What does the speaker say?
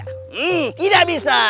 hmm tidak bisa